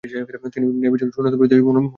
তিনি ন্যায়বিচার ও সুন্নত প্রতিষ্ঠায় মনোযোগ দেন।